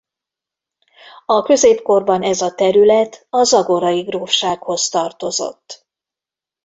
A középkorban ez a terület a zagorai grófsághoz tartozott.